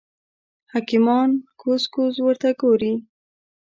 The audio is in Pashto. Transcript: حکیمان کوز کوز ورته ګوري.